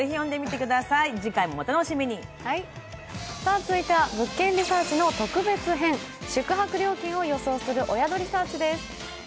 続いては「物件リサーチ」の特別編宿泊料金を予想するお宿リサーチです。